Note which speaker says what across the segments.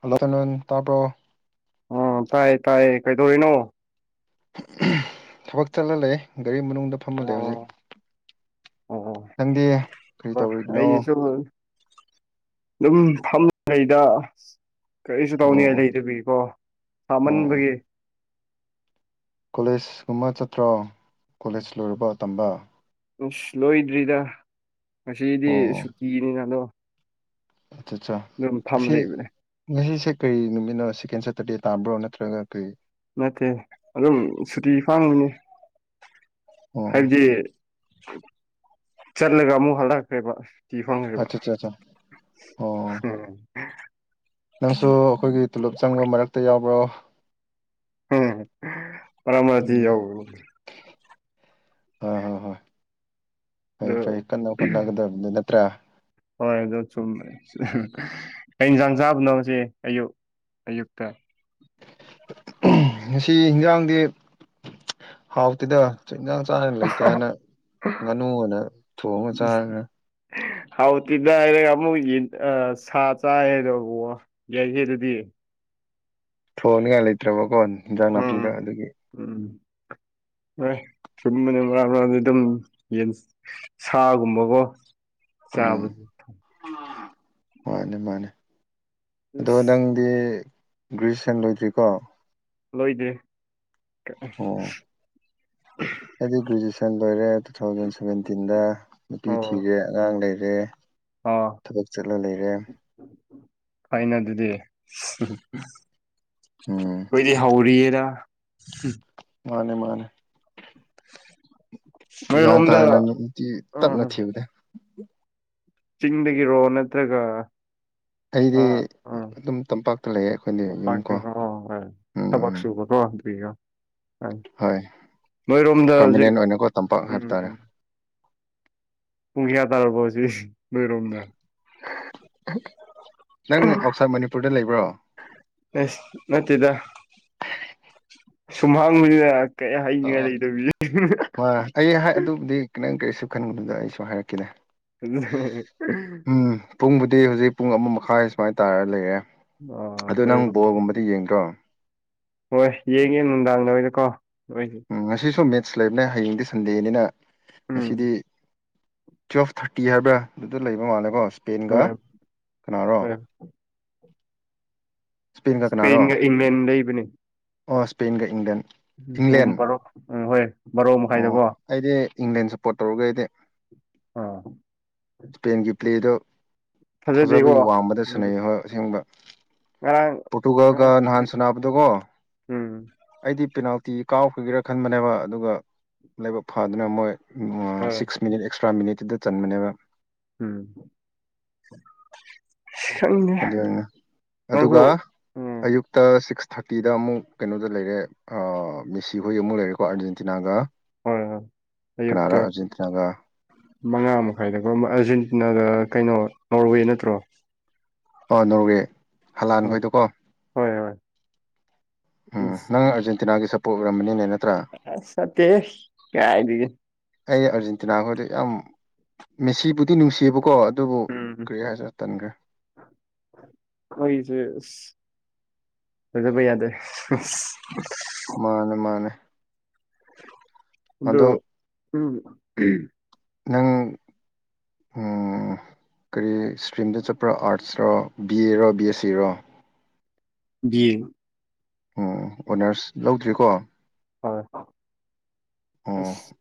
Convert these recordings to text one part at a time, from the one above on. Speaker 1: Hello hello ꯇꯥꯕ꯭ꯔꯣ
Speaker 2: ꯑꯣ ꯇꯥꯏ ꯇꯥꯌꯦ ꯀꯩꯗꯧꯔꯤꯅꯣ
Speaker 1: ꯊꯕꯛ ꯆꯠꯂ ꯂꯩꯌꯦ ꯒꯔꯤ ꯃꯅꯨꯡꯗ ꯐꯝꯃ ꯂꯩ ꯍꯧꯖꯤꯛ
Speaker 2: ꯑꯣ ꯑꯣ
Speaker 1: ꯅꯪꯗꯤ ꯀꯔꯤ
Speaker 2: ꯑꯣ [inaudible]
Speaker 1: ꯇꯧꯔꯤꯕꯅꯣ
Speaker 2: ꯑꯩꯁꯨ ꯗꯨꯝ ꯐꯝ ꯂꯩꯗ ꯀꯔꯤꯁꯨ ꯇꯧꯅꯤꯡꯉꯥꯢ
Speaker 1: ꯑꯣ
Speaker 2: ꯂꯩꯇꯕꯒꯤꯀꯣ
Speaker 1: ꯑꯣ
Speaker 2: ꯐꯥꯃꯟꯕꯒꯤ
Speaker 1: ꯀꯣꯂꯦꯖꯒꯧꯝꯕ ꯆꯠꯇ꯭ꯔꯣ ꯀꯣꯂꯦꯖ ꯂꯣꯏꯔꯕ ꯇꯝꯕ
Speaker 2: ꯎꯁ ꯂꯣꯏꯗ꯭ꯔꯤꯗ ꯉꯁꯤꯗꯤ
Speaker 1: ꯑꯣ
Speaker 2: ꯁꯨꯇꯤꯅꯤꯅ ꯒꯣ
Speaker 1: ꯑꯆꯥ
Speaker 2: ꯐꯝ
Speaker 1: ꯉꯁꯤ
Speaker 2: ꯂꯩꯕꯅꯦ
Speaker 1: ꯉꯁꯤꯁꯦ ꯀꯔꯤ ꯅꯨꯃꯤꯠꯅꯣ ꯁꯦꯀꯦꯟ ꯁꯦꯇꯔꯗꯦ ꯇꯥꯝꯕ꯭ꯔꯣ ꯅꯠꯇ꯭ꯔꯒ ꯀꯔꯤ
Speaker 2: ꯅꯠꯇꯦ ꯑꯗꯨꯝ ꯁꯨꯇꯤ ꯐꯥꯡ
Speaker 1: ꯑꯣ
Speaker 2: ꯍꯥꯏꯕꯗꯤ ꯆꯠꯂꯒ ꯑꯃꯨ ꯍꯜꯂꯥꯛꯈ꯭ꯔꯦꯕ ꯇꯤ ꯐꯪ [inaudible] ꯕ
Speaker 1: ꯑꯠꯆꯥ ꯑꯠꯆꯥ ꯑꯠꯆꯥ ꯑꯣ
Speaker 2: ꯎꯝ
Speaker 1: ꯅꯪꯁꯨ ꯑꯈꯣꯏꯒꯤ ꯇꯨꯂꯨꯞ ꯆꯪꯕ ꯃꯔꯛꯇ ꯌꯥꯎꯕ꯭ꯔꯣ
Speaker 2: ꯑꯝ ꯃꯔꯛ ꯃꯔꯛꯇ
Speaker 1: ꯎꯝ
Speaker 2: ꯌꯥꯎꯋꯤ
Speaker 1: ꯍꯣꯏ ꯍꯣ ꯍꯣꯏ
Speaker 2: ꯑꯗꯨ
Speaker 1: ꯐꯩꯌꯦ ꯐꯩ ꯀꯟꯅ ꯍꯣꯠꯅꯒꯗꯕꯅꯤ ꯅꯪ ꯇ꯭ꯔ [inaudible]
Speaker 2: ꯍꯣꯏ ꯗꯨ ꯆꯨꯝ ꯀꯩ ꯏꯟꯖꯥꯡ ꯆꯥꯕꯅꯣ ꯑꯌꯨꯛ ꯑꯌꯨꯛꯇ
Speaker 1: ꯉꯁꯤ ꯍꯤꯡꯖꯥꯡꯗꯤ ꯍꯥꯎꯇꯦꯗ ꯉꯁꯤ ꯌꯦꯡꯁꯥꯡ ꯆꯥꯅꯤꯡꯉꯥꯢ ꯂꯩꯇꯦ ꯍꯥꯏꯅ ꯉꯥꯅꯨ ꯑꯣꯏꯅ ꯊꯣꯡꯉꯒ ꯆꯥꯔꯦ
Speaker 2: ꯍꯥꯎꯇꯤꯗ ꯍꯥꯏꯔꯒ ꯑꯃꯨꯛ ꯌꯦꯟ ꯑ ꯁꯥ ꯆꯥꯏ ꯗꯨ ꯋꯥ ꯌꯥꯏ ꯍꯦ ꯑꯗꯨꯗꯤ
Speaker 1: ꯊꯣꯡꯅꯤꯡꯉꯥꯏ ꯂꯩꯇ꯭ꯔꯕꯒꯣ ꯍꯤꯡꯖꯥꯡ ꯅꯥꯄꯤꯗ
Speaker 2: ꯎꯝ
Speaker 1: ꯑꯗꯨꯒꯤ
Speaker 2: ꯎꯝ ꯂꯣꯏꯔꯦ ꯁꯨꯝꯕꯅ ꯃꯔꯥꯛ ꯃꯔꯥꯛꯗꯤ ꯗꯨꯝ ꯌꯦꯟꯁ ꯁꯥꯒꯨꯝꯕꯒꯣ
Speaker 1: ꯎꯝ
Speaker 2: ꯆꯥꯕ
Speaker 1: ꯃꯥꯅꯦ ꯃꯥꯅꯦ ꯑꯗꯣ ꯅꯪ
Speaker 2: ꯑꯁ
Speaker 1: ꯗꯤ ꯒ꯭ꯔꯦꯁꯟ ꯂꯣꯏꯗ꯭ꯔꯤꯀꯣ
Speaker 2: ꯂꯣꯏꯗꯦ
Speaker 1: ꯑꯣ ꯑꯩꯗꯤ ꯒ꯭ꯔꯦꯖꯨꯋꯦꯁꯟ ꯂꯣꯏꯔꯦ ꯇꯨ ꯊꯥꯎꯖꯟ ꯁꯚꯦꯟꯇꯤꯟꯗ ꯅꯨꯄꯤ
Speaker 2: ꯑꯣ
Speaker 1: ꯊꯤꯔꯦ ꯑꯉꯥꯡ ꯂꯩꯔꯦ
Speaker 2: ꯑꯥ
Speaker 1: ꯊꯕꯛ ꯆꯠꯂ ꯂꯩꯔꯦ
Speaker 2: ꯐꯩꯅ ꯑꯗꯨꯗꯤ
Speaker 1: ꯎꯝ
Speaker 2: ꯈꯣꯏꯗꯤ ꯍꯧꯔꯤꯌꯦꯔ
Speaker 1: ꯃꯥꯅꯦ ꯃꯥꯅꯦ
Speaker 2: [inaudible]
Speaker 1: ꯒ꯭ꯌꯥꯟ
Speaker 2: ꯅꯣꯏꯔꯣꯝꯗ
Speaker 1: ꯇꯥꯅ ꯅꯨꯄꯤ ꯇꯞꯅ
Speaker 2: ꯎꯝ
Speaker 1: ꯊꯤꯕꯅꯦ
Speaker 2: ꯆꯤꯡꯗꯒꯤꯔꯣ ꯅꯠꯇ꯭ꯔꯒ
Speaker 1: ꯑꯩꯗꯤ
Speaker 2: ꯑꯥ ꯎꯝ
Speaker 1: ꯑꯗꯨꯝ ꯇꯝꯄꯥꯛꯇ ꯂꯩꯌꯦ ꯑꯩꯈꯣꯏꯗꯤ ꯌꯨꯝ ꯀꯣ ꯎꯝ ꯎꯝ
Speaker 2: ꯁꯨꯕꯣꯗ [inaudible]
Speaker 1: ꯍꯣꯏ
Speaker 2: ꯅꯣꯏꯔꯣꯝꯗ
Speaker 1: ꯄꯔꯃꯅꯦꯟ
Speaker 2: ꯍꯧꯖꯤꯛ
Speaker 1: ꯑꯣꯏꯅꯀꯣ ꯇꯝꯄꯥꯛ
Speaker 2: ꯎꯝ
Speaker 1: ꯍꯥꯏꯕ ꯇꯥꯔꯦ
Speaker 2: ꯄꯨꯡ ꯀꯌꯥ ꯇꯥꯔꯕꯣ ꯍꯧꯖꯤꯛ ꯅꯣꯏꯔꯣꯝꯗ
Speaker 1: ꯅꯪ ꯑꯥꯎꯠꯁꯥꯏꯠ ꯃꯅꯤꯄꯨꯔꯗ ꯂꯩꯕ꯭ꯔꯣ
Speaker 2: ꯑꯁ ꯅꯠꯇꯦꯗ ꯁꯨꯝ ꯍꯪꯕꯅꯤꯗ ꯀꯌꯥ
Speaker 1: ꯑ
Speaker 2: ꯍꯥꯢꯅꯤꯉꯥꯏ ꯂꯩꯇꯕꯤꯒꯤ
Speaker 1: ꯍꯣꯏ ꯑꯩ ꯍꯥꯏ ꯑꯗꯨꯕꯨꯗꯤ ꯈꯤꯇꯪ ꯀꯔꯤꯁꯨ ꯈꯟꯒꯅꯨꯗ ꯑꯩꯁꯨ ꯍꯥꯏꯔꯛꯒꯦꯅꯦ
Speaker 2: ꯎ [inaudible]
Speaker 1: ꯎꯝ ꯄꯨꯡꯕꯨꯗꯤ ꯍꯧꯖꯤꯛ ꯄꯨꯡ ꯑꯃ ꯃꯈꯥꯏ ꯁꯨꯃꯥꯏꯅ ꯇꯥꯔ ꯂꯩꯔꯦ ꯑꯣ ꯅꯪ
Speaker 2: ꯑꯩꯈꯣꯏꯔꯣꯝ
Speaker 1: ꯕꯣꯜꯒꯨꯝꯕꯗꯤ ꯌꯦꯡꯗ꯭ꯔꯣ
Speaker 2: ꯍꯣꯏ ꯌꯦꯡꯉꯦ ꯅꯨꯡꯗꯥꯡꯗꯀꯣ ꯂꯣꯏꯅ
Speaker 1: ꯉꯁꯤꯁꯨ ꯃꯦꯠꯁ ꯂꯩꯕꯅꯦ ꯍꯌꯦꯡꯗꯤ ꯁꯟꯗꯦꯅꯤꯅ
Speaker 2: ꯎꯝ
Speaker 1: ꯉꯁꯤꯗꯤ ꯇꯨꯋꯦꯜꯐ ꯊꯥꯔꯇꯤ ꯍꯥꯏꯕ꯭ꯔꯥ ꯑꯗꯨꯗ ꯂꯩꯕ ꯃꯥꯜꯂꯦꯀꯣ ꯏꯁꯄꯦꯟꯒ
Speaker 2: ꯍꯣꯏ
Speaker 1: ꯀꯅꯥꯔꯣ
Speaker 2: ꯍꯣꯏ
Speaker 1: ꯁ꯭ꯄꯦꯟꯒ ꯀꯅꯥꯔꯣ
Speaker 2: ꯏꯁꯄꯦꯟꯒ ꯏꯪꯂꯦꯟ ꯂꯩꯕꯅꯦ
Speaker 1: ꯑꯣ ꯏꯁ꯭ꯄꯦꯟꯒ ꯏꯪꯂꯦꯟ ꯏꯪꯂꯦꯟ
Speaker 2: [unintelligible]
Speaker 1: ꯑꯣ
Speaker 2: ꯃꯈꯥꯏꯗꯀꯣ
Speaker 1: ꯑꯩꯗꯤ ꯏꯪꯂꯦꯟ ꯁꯄꯣꯔꯠ ꯇꯧꯔꯒꯦ ꯑꯩꯗꯤ
Speaker 2: ꯑꯥ
Speaker 1: ꯏꯁꯄꯦꯟꯒꯤ ꯄ꯭ꯂꯦꯗꯣ
Speaker 2: ꯐꯖꯗꯦꯀꯣ
Speaker 1: ꯊꯥꯖꯕꯒꯤ ꯋꯥꯡꯃꯗ
Speaker 2: ꯎꯝ
Speaker 1: ꯁꯥꯟꯅꯩ ꯍꯣꯏ ꯑꯁꯦꯡꯕ
Speaker 2: ꯉꯔꯥꯡ
Speaker 1: ꯄꯣꯔꯇꯨꯒꯜꯒ ꯅꯍꯥꯟ
Speaker 2: ꯎꯝ
Speaker 1: ꯁꯅꯥꯕꯗꯨꯀꯣ
Speaker 2: ꯎꯝ
Speaker 1: ꯑꯩꯗꯤ ꯄꯦꯅꯥꯜꯇꯤ ꯀꯥꯎꯈ꯭ꯔꯒꯤꯔꯥ ꯈꯟꯕꯅꯦꯕ ꯑꯗꯨꯒ ꯂꯥꯏꯕꯛ ꯐꯥꯗꯨꯅ ꯃꯣꯏ
Speaker 2: ꯍꯣꯏ
Speaker 1: ꯁꯤꯛꯁ ꯃꯤꯅꯤꯠ ꯑꯦꯛꯁꯇ꯭ꯔꯥ ꯃꯤꯅꯤꯠꯇꯨꯗ ꯆꯟꯕꯅꯦꯕ
Speaker 2: ꯎꯝ ꯈꯪꯗꯦ
Speaker 1: ꯑꯗꯨꯅ ꯑꯗꯨꯒ
Speaker 2: ꯅꯪꯁꯨ ꯎꯝ
Speaker 1: ꯑꯌꯨꯛꯇ ꯁꯤꯛꯁ ꯊꯥꯔꯇꯤꯗ ꯑꯃꯨꯛ ꯀꯩꯅꯣꯗ ꯂꯩꯔꯦ ꯑꯥ ꯃꯦꯁꯤ ꯍꯣꯏ ꯑꯃꯨꯛ ꯂꯩꯔꯦꯀꯣ ꯑꯥꯔꯖꯦꯟꯇꯤꯅꯥꯒ
Speaker 2: ꯍꯣꯏ ꯍꯣꯏ
Speaker 1: ꯀꯅꯥꯔ
Speaker 2: ꯑꯌꯨꯛꯇ
Speaker 1: ꯑꯥꯔꯖꯦꯟꯇꯤꯅꯥꯒ
Speaker 2: ꯃꯉꯥ ꯃꯈꯥꯏꯗꯀꯣ ꯑꯥꯔꯖꯦꯟꯇꯤꯅꯥꯒ ꯀꯩꯅꯣ ꯅꯣꯔꯋꯦ ꯅꯠꯇ꯭ꯔꯣ
Speaker 1: ꯑꯥ ꯅꯣꯔꯋꯦ ꯍꯂꯥꯟ
Speaker 2: ꯎꯝ
Speaker 1: ꯈꯣꯏꯗꯣꯀꯣ
Speaker 2: ꯍꯣꯏ ꯍꯣꯏ
Speaker 1: ꯎꯝ ꯅꯪ ꯑꯔꯖꯦꯟꯇꯤꯅꯥꯒꯤ ꯁꯞꯄꯣꯔꯠ ꯑꯣꯏꯔꯝꯕꯅꯤꯅꯦ ꯅꯠ
Speaker 2: ꯑꯁ ꯅꯠꯇꯦꯍꯦ ꯀꯥꯏꯗꯒꯤ
Speaker 1: ꯑꯩ ꯑꯥꯔꯖꯦꯟꯇꯤꯅꯥ ꯈꯣꯏꯗ ꯌꯥꯝ ꯃꯦꯁꯤꯕꯨꯗꯤ ꯅꯨꯡꯁꯤꯌꯦꯕꯀꯣ ꯑꯗꯨꯕꯨ ꯀꯔꯤ ꯍꯥꯏꯁꯤꯔ ꯇꯟꯈ꯭ꯔꯦ
Speaker 2: ꯈꯣꯏꯖꯦ ꯊꯥꯖꯕ ꯌꯥꯗꯦ
Speaker 1: ꯃꯥꯅꯦ ꯃꯥꯅꯦ ꯑꯗꯣ
Speaker 2: [unintelligible]
Speaker 1: ꯅꯪ ꯎꯝ [unintelligible]
Speaker 2: ꯗꯤꯡ
Speaker 1: ꯎꯝ ꯑꯣꯅꯔꯁ ꯂꯧꯗ꯭ꯔꯤꯀꯣ
Speaker 2: ꯍꯣꯏ
Speaker 1: ꯑꯣ
Speaker 2: ꯑꯁ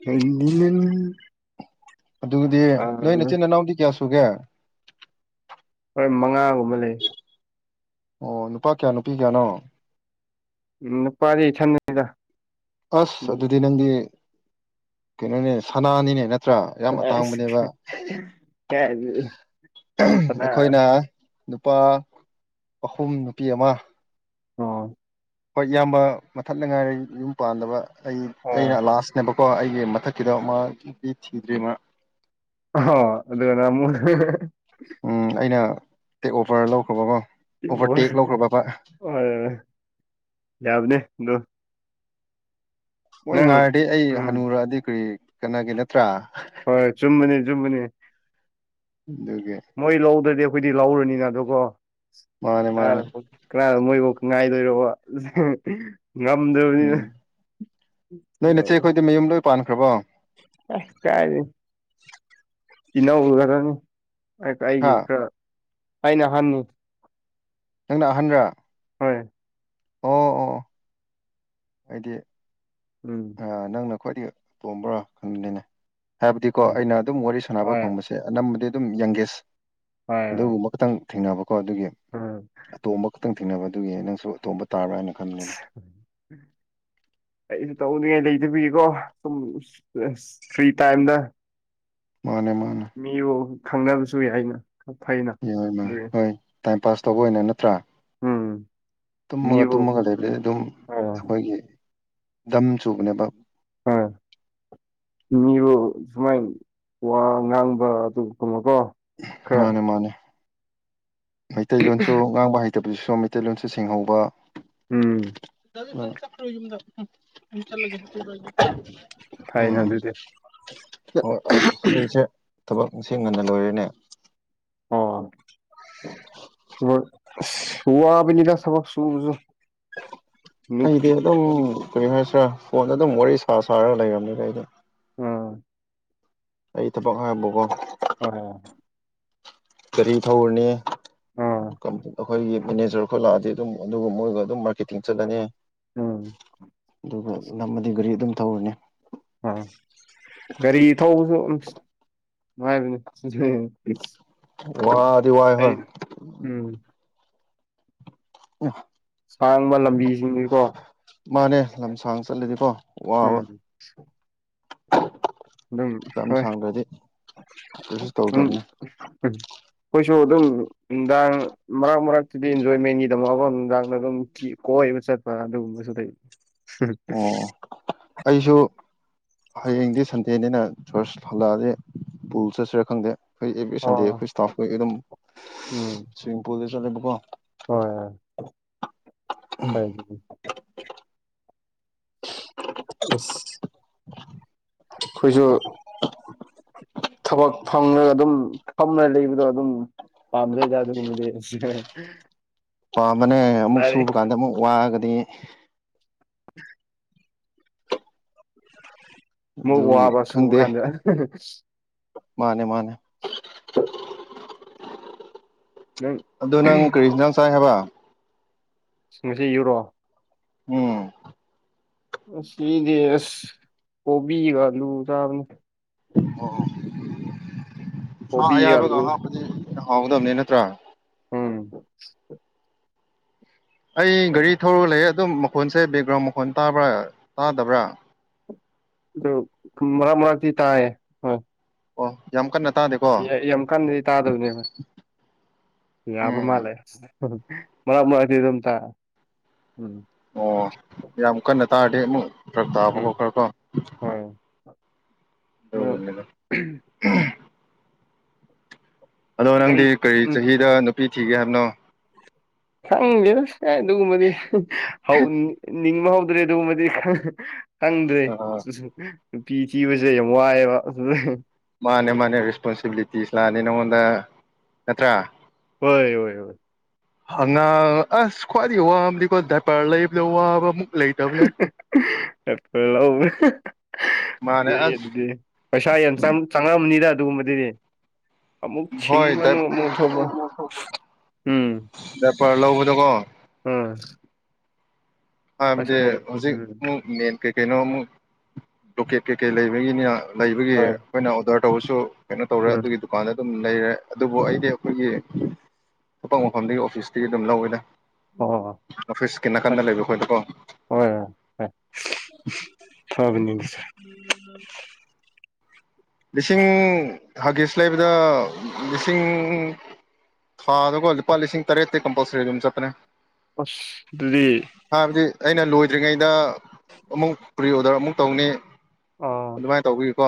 Speaker 2: [unintelligible]
Speaker 1: ꯑꯗꯨꯗꯤ ꯅꯣꯏ ꯏꯆꯤꯟ ꯏꯅꯥꯎꯗꯤ ꯀꯌꯥ ꯁꯨꯒꯦ
Speaker 2: ꯍꯣꯏ ꯃꯉꯥꯒꯨꯝꯕ ꯂꯩ
Speaker 1: ꯑꯣ ꯅꯨꯄꯥ ꯀꯌꯥ ꯅꯨꯄꯤ ꯀꯌꯥꯅꯣ
Speaker 2: ꯎꯝ ꯅꯨꯄꯥꯗꯤ ꯏꯊꯟꯗꯅꯤꯗ
Speaker 1: ꯑꯁ ꯑꯗꯨꯗꯤ ꯅꯪꯗꯤ ꯀꯩꯅꯣꯅꯦ ꯁꯅꯥꯅꯤꯅꯦ ꯅꯠꯇ꯭ꯔꯥ ꯌꯥꯝ ꯑꯇꯥꯡꯕꯅꯦꯕ
Speaker 2: ꯑꯁ ꯀꯥꯏꯗꯒꯤ ꯀꯅꯥ
Speaker 1: ꯑꯩꯈꯣꯏꯅ ꯅꯨꯄꯥ ꯑꯍꯨꯝ ꯅꯨꯄꯤ ꯑꯃ
Speaker 2: ꯑꯣ
Speaker 1: ꯍꯣꯏ ꯏꯌꯥꯝꯕ ꯃꯊꯅꯗ ꯉꯥꯏꯔꯦ ꯌꯨꯝ ꯄꯥꯟꯗꯕ ꯑꯩ
Speaker 2: ꯑꯣ
Speaker 1: ꯑꯩꯅ ꯂꯥꯁ ꯅꯦꯕꯀꯣ ꯑꯩꯒꯤ ꯃꯊꯛꯀꯤꯗꯣ ꯃꯥꯗꯤ ꯅꯨꯄꯤ ꯊꯤꯗ꯭ꯔꯤ ꯃꯥ
Speaker 2: ꯍꯣ ꯑꯗꯨꯅ ꯑꯃꯨꯛ
Speaker 1: ꯎꯝ ꯑꯩꯅ ꯇꯦꯛ ꯑꯣꯕꯔ ꯂꯧꯈ꯭ꯔꯕꯀꯣ ꯑꯣꯚꯔꯇꯦꯛ ꯂꯧꯈ꯭ꯔꯕꯕ
Speaker 2: [unintelligible]
Speaker 1: ꯃꯣꯏ
Speaker 2: ꯅꯪ
Speaker 1: ꯉꯥꯏꯔꯗꯤ ꯑꯩ
Speaker 2: ꯎꯝ
Speaker 1: ꯍꯅꯨꯔꯛꯑꯗꯤ ꯀꯔꯤ ꯀꯥꯟꯅꯒꯤ ꯅꯠꯇ꯭ꯔꯥ
Speaker 2: ꯍꯣꯏ ꯆꯨꯝꯕꯅꯤ ꯆꯨꯝꯕꯅꯤ
Speaker 1: [unintelligible]
Speaker 2: ꯃꯣꯏ ꯂꯧꯗ꯭ꯔꯗꯤ ꯑꯩꯈꯣꯏꯗꯤ ꯂꯧꯔꯅꯤꯅ ꯑꯗꯨꯀꯣ
Speaker 1: ꯃꯥꯅꯦ ꯃꯥꯅꯦ
Speaker 2: [unintelligible] ꯉꯝꯗ꯭ꯔꯥ
Speaker 1: ꯎꯝ ꯅꯣꯏ ꯅꯆꯦ ꯑꯩꯈꯣꯏꯗꯤ ꯃꯌꯨꯝ ꯂꯣꯏ ꯄꯥꯟꯈ꯭ꯔꯕꯣ
Speaker 2: ꯀꯥꯏꯗꯩꯩ ꯏꯅꯧꯒꯔꯅꯤ
Speaker 1: ꯍꯥ
Speaker 2: ꯑꯩꯒꯤ ꯈꯔ ꯑꯩꯅ ꯍꯟꯉ
Speaker 1: ꯅꯪꯅ ꯑꯍꯟꯔ
Speaker 2: ꯍꯣꯏ
Speaker 1: ꯑꯣ ꯑꯣ ꯍꯥꯏꯗꯤ
Speaker 2: ꯎꯝ
Speaker 1: ꯅꯪꯅ ꯈ꯭ꯋꯥꯏꯗꯒꯤ ꯑ ꯇꯣꯝꯕ꯭ꯔꯣ ꯈꯪꯕꯅꯤꯅꯦ ꯍꯥꯏꯕꯗꯤꯀꯣ
Speaker 2: ꯎꯝ
Speaker 1: ꯑꯩꯅ ꯑꯗꯨꯝ ꯋꯥꯔꯤ ꯁꯥꯟꯅꯕ
Speaker 2: ꯍꯣꯏ
Speaker 1: ꯐꯪꯕꯁꯦ ꯁꯦ ꯑꯅꯝꯕꯗꯤ ꯑꯗꯨꯝ ꯌꯪꯒꯦꯁ
Speaker 2: ꯍꯣꯏ ꯍꯣꯏ
Speaker 1: ꯑꯗꯨꯍꯨꯝꯕ ꯈꯛꯇꯪ ꯊꯦꯡꯅꯕꯀꯣ ꯑꯗꯨꯒꯤ
Speaker 2: ꯎꯝ
Speaker 1: ꯑꯇꯣꯝꯕ ꯈꯛꯇꯪ ꯊꯦꯡꯅꯕ ꯑꯗꯨꯒꯤ ꯅꯪꯁꯨ ꯑꯇꯣꯝꯕ ꯇꯥꯕꯔꯅ
Speaker 2: [inaudible] ꯑꯩꯁꯨ ꯇꯧꯅꯤꯡꯉꯥꯏ ꯂꯩꯇꯕꯤꯀꯣ ꯁꯨꯝ ꯐ꯭ꯔꯤ ꯇꯥꯏꯝꯗ
Speaker 1: ꯃꯥꯅꯦ ꯃꯥꯅꯦ
Speaker 2: ꯃꯤꯕꯨ ꯈꯪꯅꯕꯁꯨ ꯌꯥꯏꯅ ꯐꯩꯅ
Speaker 1: ꯌꯥꯏꯃ
Speaker 2: ꯑꯗꯨꯒꯤ
Speaker 1: ꯍꯣꯏ ꯇꯥꯏꯝ ꯄꯥꯁ ꯇꯧꯕ ꯑꯣꯏꯅ ꯅꯠꯇ꯭ꯔꯥ
Speaker 2: ꯎꯝ
Speaker 1: ꯇꯨꯝꯃꯒ
Speaker 2: ꯃꯤꯕꯨ
Speaker 1: ꯇꯨꯝꯃꯒ ꯂꯩꯕꯩ
Speaker 2: ꯎꯝ
Speaker 1: ꯑꯗꯨꯝ
Speaker 2: ꯑ
Speaker 1: ꯑꯩꯈꯣꯏꯒꯤ ꯗꯝ ꯆꯨꯕꯅꯦꯕ
Speaker 2: ꯑ
Speaker 1: [inaudible]
Speaker 2: ꯃꯤꯕꯨ ꯁꯨꯃꯥꯏ ꯋꯥ ꯉꯥꯡꯕ ꯑꯗꯨꯒ ꯀꯨꯝꯃꯣꯀꯣ
Speaker 1: ꯃꯥꯅꯦ ꯃꯥꯅꯦ ꯃꯩꯇꯩꯂꯣꯟꯁꯨ ꯉꯥꯡꯕ ꯍꯩꯇꯕꯗꯨꯁꯨ ꯃꯩꯇꯩꯂꯣꯟꯁꯨ ꯁꯦꯡꯍꯧꯕ
Speaker 2: ꯎꯝ
Speaker 1: ꯃꯥꯅꯤ
Speaker 2: ꯐꯩꯅ
Speaker 1: ꯎꯝ
Speaker 2: ꯑꯗꯨꯗꯤ
Speaker 1: ꯍꯣꯏ ꯑꯁ ꯑꯩꯁꯦ ꯊꯕꯛ ꯉꯁꯤ ꯉꯟꯅ ꯂꯣꯏꯔꯦꯅꯦ
Speaker 2: ꯑꯣ ꯍ ꯋꯥꯕꯅꯤꯗ ꯊꯕꯛ ꯁꯨꯕꯁꯨ
Speaker 1: ꯑꯩꯗꯤ
Speaker 2: ꯅꯨꯄꯤ
Speaker 1: ꯑꯗꯨꯝ ꯀꯔꯤ ꯍꯥꯏꯁꯤꯔꯥ ꯐꯣꯟꯗ ꯑꯗꯨꯝ ꯋꯥꯔꯤ ꯁꯥ ꯁꯥꯔꯒ ꯂꯩꯔꯝꯅꯤꯗ ꯑꯩꯗꯤ
Speaker 2: [unintelligible]
Speaker 1: ꯑꯩ ꯊꯕꯛ ꯍꯥꯏꯕꯨꯀꯣ꯫
Speaker 2: [unintelligible]
Speaker 1: ꯒꯔꯤ ꯊꯧꯔꯅꯤ
Speaker 2: ꯑꯥ
Speaker 1: ꯑꯝ ꯑꯈꯣꯏꯒꯤ ꯃꯦꯅꯦꯖꯔ ꯈꯣꯏ ꯂꯛꯑꯗꯤ ꯑꯗꯨꯝ ꯑꯗꯨꯒ ꯃꯣꯏꯒ ꯑꯗꯨꯝ ꯃꯥꯔꯀꯦꯠ ꯇꯤꯡ ꯆꯠꯂꯅꯤ
Speaker 2: ꯎꯝ
Speaker 1: ꯑꯗꯨꯒ ꯅꯝꯃꯗꯤ ꯒꯔꯤ ꯑꯗꯨꯝ ꯊꯧꯔꯅꯤ꯫
Speaker 2: ꯑ ꯒꯥꯔꯤ ꯊꯧꯕꯖꯨ ꯑꯝꯁ [unintelligible]
Speaker 1: ꯋꯥꯗꯤ ꯋꯥꯥꯏ ꯍꯣꯏ
Speaker 2: ꯑꯩ ꯎꯝ
Speaker 1: ꯑꯦ
Speaker 2: ꯁꯥꯡꯕ ꯂꯝꯕꯤꯖꯤꯡꯗꯤꯀꯣ
Speaker 1: ꯃꯥꯅꯦ ꯂꯝ ꯁꯥꯡ ꯆꯠꯂꯗꯤꯀꯣ ꯋꯥꯕ
Speaker 2: ꯎꯝ ꯑꯗꯨꯝ
Speaker 1: ꯂꯝ
Speaker 2: ꯍꯣꯏ
Speaker 1: ꯁꯥꯡꯗ꯭ꯔꯗꯤ ꯀꯩꯁꯨ
Speaker 2: ꯎꯝ
Speaker 1: ꯇꯧꯗꯕꯅꯤ
Speaker 2: ꯎꯝ ꯈꯣꯏꯁꯨ ꯑꯗꯨꯝ ꯅꯨꯡꯗꯥꯡ ꯃꯔꯥꯛ ꯃꯔꯥꯛꯇꯗꯤ ꯏꯟꯖꯣꯏꯃꯦꯟꯒꯤꯗꯃꯛꯀꯣ ꯅꯨꯡꯗꯥꯡꯗ ꯑꯗꯨꯝ ꯀꯤ ꯀꯣꯏꯕ ꯆꯠꯄ ꯑꯗꯨꯒꯨꯝꯕꯁꯨ ꯂꯩ꯫
Speaker 1: ꯑꯣ ꯑꯩꯁꯨ ꯍꯌꯦꯡꯗꯤ ꯁꯟꯗꯦꯅꯦꯅ ꯆꯔꯆ ꯍꯜꯂꯛꯑꯗꯤ ꯄꯨꯜ ꯆꯠꯁꯤꯔꯥ ꯈꯪꯗꯦ꯫ ꯈꯣꯏ ꯑꯦꯕꯦꯑꯦ ꯁꯟꯗꯦ
Speaker 2: ꯑꯣ
Speaker 1: ꯑꯈꯣꯏ ꯏꯁꯇꯥꯐꯈꯣꯏꯒꯤ ꯑꯗꯨꯝ
Speaker 2: ꯎꯝ
Speaker 1: ꯁ꯭ꯋꯤꯝꯃꯤꯡꯄꯜꯗ ꯆꯠꯂꯦꯕꯀꯣ꯫
Speaker 2: [inaudible] ꯑꯁ ꯈꯣꯏꯁꯨ ꯊꯥꯕꯛ ꯐꯪꯔꯒ ꯑꯗꯨꯝ ꯐꯝꯔ ꯂꯩꯕꯗꯣ ꯑꯗꯨꯝ ꯄꯥꯝꯗꯦꯗ ꯑꯗꯨꯒꯨꯝꯕꯗꯤ [unintelligible]
Speaker 1: ꯄꯥꯝꯕꯅꯦ ꯑꯃꯨꯛ ꯁꯨꯕ
Speaker 2: ꯂꯥꯏꯔꯤꯛ
Speaker 1: ꯀꯥꯟꯗ ꯑꯃꯨꯛ ꯋꯥꯔꯒꯗꯤ
Speaker 2: [unintelligible] ꯃꯨꯛ
Speaker 1: ꯑꯗꯨꯒꯤ
Speaker 2: ꯋꯥꯕ
Speaker 1: ꯈꯪꯗꯦ
Speaker 2: ꯁꯨꯕꯀꯥꯟꯗ
Speaker 1: ꯃꯥꯅꯦ ꯃꯥꯅꯦ
Speaker 2: ꯅꯪ
Speaker 1: ꯑꯗꯣ ꯅꯪ ꯀ꯭ꯔꯤ ꯏꯟꯖꯥꯡ ꯆꯥꯏ ꯍꯥꯏꯕ꯫
Speaker 2: ꯉꯁꯤꯒꯤꯔꯣ
Speaker 1: ꯎꯝ
Speaker 2: ꯉꯁꯤꯗꯤ ꯑꯁ ꯀꯣꯕꯤꯒ ꯑꯂꯨ ꯆꯥꯕꯅꯤ꯫
Speaker 1: ꯑꯣ ꯁꯥ
Speaker 2: ꯀꯣꯕꯤꯒ
Speaker 1: ꯑꯌꯥꯏꯕꯒ
Speaker 2: ꯑꯂꯨ
Speaker 1: ꯍꯥꯞꯄꯗ [unintelligible] ꯍꯥꯎꯒꯗꯕꯅꯤ ꯅꯠꯇ꯭ꯔꯥ꯫
Speaker 2: ꯎꯝ
Speaker 1: ꯑꯩ ꯒꯥꯔꯤ ꯊꯧꯔꯒ ꯂꯩꯌꯦ ꯑꯗꯨꯝ ꯃꯈꯣꯟꯁꯦ ꯕꯦꯛꯒ꯭ꯔꯥꯎꯟ ꯃꯈꯣꯟꯜ ꯇꯥꯕ꯭ꯔꯥ ꯇꯥꯗꯕ꯭ꯔꯥ꯫
Speaker 2: ꯑꯗꯨ ꯃꯔꯥꯛ ꯃꯔꯥꯛꯇꯤ ꯇꯥꯏꯌꯦ ꯍꯣꯏ꯫
Speaker 1: ꯑꯣ ꯌꯥꯝ ꯀꯟꯅ ꯇꯥꯗꯦ
Speaker 2: ꯌ ꯌꯥꯝ ꯀꯟꯅꯗꯤ ꯇꯥꯗꯕꯅꯦꯕ ꯌꯥꯕ
Speaker 1: ꯎꯝ
Speaker 2: ꯃꯥꯜꯂꯦ꯫ ꯃꯔꯥꯛ ꯃꯔꯥꯛꯇꯤ ꯑꯗꯨꯝ ꯇꯥ ꯎꯝ
Speaker 1: ꯑꯣ ꯌꯥꯝ ꯀꯟꯅ ꯇꯥꯔꯗꯤ ꯑꯃꯨꯛ ꯐꯔꯛ ꯇꯥꯕꯀꯣ
Speaker 2: ꯎꯝ
Speaker 1: ꯈꯔꯀꯣ
Speaker 2: ꯍꯣꯏ ꯑꯗꯨ
Speaker 1: [unintelligible] ꯑꯗꯣ
Speaker 2: ꯒꯥꯔꯤ
Speaker 1: ꯅꯪꯗꯤ ꯀꯔꯤ
Speaker 2: ꯎꯝ
Speaker 1: ꯆꯍꯤꯗ ꯅꯨꯄꯤ ꯊꯤꯒꯦ ꯍꯥꯏꯕꯅꯣ
Speaker 2: ꯈꯪꯗꯦꯗ ꯀ ꯑꯗꯨꯒꯨꯝꯕꯗꯤ ꯍꯧꯅꯤ ꯅꯤꯡꯕ ꯍꯧꯗ꯭ꯔꯦ ꯑꯗꯨꯒꯨꯝꯕꯗꯤ [unintelligible] ꯈꯪꯗ꯭ꯔꯦ
Speaker 1: ꯑ
Speaker 2: ꯅꯨꯄꯤ ꯊꯤꯕꯖꯦ ꯌꯥꯝ ꯋꯥꯏꯌꯦꯕ
Speaker 1: ꯃꯥꯅꯦ ꯃꯥꯅꯦ ꯔꯦꯁꯄꯣꯟꯁꯤꯕꯤꯂꯤꯇꯤꯁ ꯂꯥꯛꯑꯅꯤ ꯅꯪꯉꯣꯟꯗ ꯅꯠꯇ꯭ꯔꯥ꯫
Speaker 2: ꯍꯣꯏ ꯋꯣꯏ ꯋꯣꯏ
Speaker 1: ꯑꯉꯥꯡ ꯑꯥꯁ ꯈ꯭ꯋꯥꯏꯗꯒꯤ ꯋꯥꯕꯗꯤꯀꯣ ꯗꯥꯏꯄꯥꯔ ꯂꯩꯕꯗ ꯋꯥꯕ ꯃꯨꯛ ꯃꯥꯅꯦ ꯑꯁ
Speaker 2: [unintelligible] ꯄꯩꯁꯥꯟ ꯌꯥꯝ ꯆꯪ ꯆꯪꯉꯕꯅꯤꯅ ꯑꯗꯨꯒꯨꯝꯕꯗꯨꯗꯤ ꯑꯃꯃꯨꯛ
Speaker 1: ꯍꯣꯏ
Speaker 2: ꯁꯤꯡꯃꯅ ꯑꯃꯨꯛ ꯊꯕ
Speaker 1: ꯗꯥꯏꯄꯔ ꯂꯧꯕꯗꯣꯀꯣ
Speaker 2: ꯎꯝ
Speaker 1: ꯍꯥꯏꯕꯗꯤ
Speaker 2: ꯄꯩꯁꯥ
Speaker 1: ꯍꯧꯖꯤꯛ
Speaker 2: ꯎꯝ
Speaker 1: ꯑꯃꯨꯛ ꯃꯦꯟ ꯀꯩꯀꯩꯅꯣ ꯑꯃꯨꯛ ꯕ꯭ꯂꯣꯀꯦꯠ ꯀꯩꯀꯩ ꯂꯩꯕꯒꯤꯅ ꯂꯩꯕꯒꯤ
Speaker 2: ꯍꯣꯏ
Speaker 1: ꯑꯩꯈꯣꯏꯅ ꯑꯣꯗꯔ ꯇꯧꯕꯁꯨ ꯀꯩꯅꯣ ꯇꯧꯔꯦ
Speaker 2: ꯎꯝ
Speaker 1: ꯑꯗꯨꯒꯤꯗꯨ ꯗꯨꯀꯥꯟꯗ ꯑꯗꯨꯝ ꯂꯩꯔꯦ ꯑꯗꯨꯕꯨ ꯑꯩꯗꯤ ꯑꯩꯈꯣꯏꯒꯤ [unintelligible] ꯃꯐꯝꯗꯒꯤ ꯑꯣꯐꯤꯁꯇꯒꯤ ꯑꯗꯨꯝ ꯂꯧꯋꯦꯗ
Speaker 2: ꯑꯣ
Speaker 1: ꯑꯣꯐꯤꯁꯀꯤ
Speaker 2: ꯍ
Speaker 1: ꯅꯥꯀꯟꯗ ꯂꯩꯕ ꯑꯩꯈꯣꯏꯗꯀꯣ
Speaker 2: ꯍꯣꯏ ꯍꯣꯏ ꯍꯣꯏ ꯐꯕꯅꯤ
Speaker 1: ꯂꯤꯁꯤꯡ ꯍꯥꯒꯤꯁ ꯂꯩꯕꯗ ꯂꯤꯁꯤꯡ ꯊꯥꯗꯒꯣ ꯂꯨꯄꯥ ꯂꯤꯁꯤꯡ ꯇꯔꯦꯠꯇꯤ ꯀꯝꯄꯜꯁꯔꯤ ꯑꯗꯨꯝ ꯆꯠꯄꯅꯦ
Speaker 2: ꯑꯁ ꯑꯗꯨꯗꯤ
Speaker 1: ꯍꯥꯏꯕꯗꯤ ꯑꯩꯅ ꯂꯣꯏꯗ꯭ꯔꯤꯉꯩꯗ ꯑꯃꯨꯛ ꯄ꯭ꯔꯤꯑꯣꯗꯔ ꯑꯃꯨꯛ ꯇꯧꯅꯤ ꯑꯗꯨꯃꯥꯏꯅ ꯇꯧꯕꯤꯌꯨꯀꯣ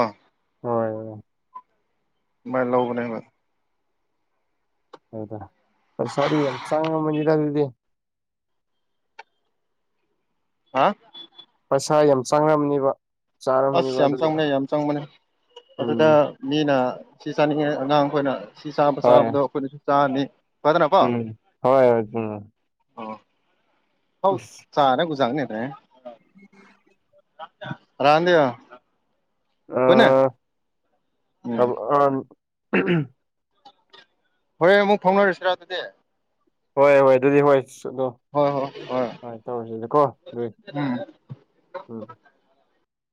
Speaker 2: ꯍ‌ꯣꯏ
Speaker 1: ꯑꯗꯨꯃꯥꯏꯅ ꯂꯧꯕꯅꯦꯕ
Speaker 2: ꯍꯗ ꯄꯁꯥꯗꯤ ꯌꯥꯝ ꯆꯥꯡꯉꯝꯃꯅꯤꯑꯗꯨꯗꯤ
Speaker 1: ꯍꯥ
Speaker 2: ꯄꯩꯁꯥ ꯌꯥꯝ ꯆꯥꯡꯉꯝꯅꯦꯕ
Speaker 1: ꯑꯁ ꯌꯥꯝ ꯆꯪꯅꯦ ꯌꯥꯝ ꯆꯪꯉ ꯃꯅꯦ
Speaker 2: ꯎꯝ
Speaker 1: ꯑꯗꯨꯗ ꯃꯤꯅ ꯁꯤ ꯆꯥꯅꯤꯡꯉꯦ ꯑꯉꯥꯡ ꯑꯩꯈꯣꯏꯅ ꯁꯤ ꯆꯥꯕ
Speaker 2: ꯍꯣꯏ
Speaker 1: ꯆꯥꯕꯗꯣ ꯑꯩꯈꯣꯏꯅꯁꯨ ꯆꯥꯔꯅꯤ
Speaker 2: ꯎꯝ ꯍꯣꯏ ꯑꯗꯨꯅ‌ꯦ
Speaker 1: ꯑꯣ ꯍꯥꯎ ꯆꯔꯥꯒꯕꯨꯖꯥꯒꯅꯦꯗ꯭ꯔꯦ
Speaker 2: [inaudible]
Speaker 1: [unintelligible] ꯀ‌ꯣꯅ‌ꯦ
Speaker 2: [unintelligible]
Speaker 1: ꯍꯣꯔ‌ꯦꯟ ꯑꯃꯨꯛ ꯐꯥꯎꯅꯔꯁꯤꯔ ꯑꯗꯨꯗꯤ
Speaker 2: ꯍꯣꯏ ꯍꯣꯏ ꯑꯗꯨꯗꯤ ꯍꯣꯏ ꯑꯗꯣ
Speaker 1: ꯍꯣꯏ ꯍꯣꯏ
Speaker 2: ꯍꯣꯏ ꯇꯧꯔꯁꯤꯗꯀꯣ ꯑꯗꯨꯏ
Speaker 1: ꯎꯝ
Speaker 2: ꯎꯝ